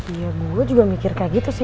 iya gue juga mikir kayak gitu sih